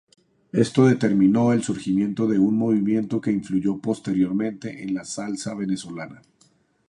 Esto determinó el surgimiento de un movimiento que influyó posteriormente en la salsa venezolana.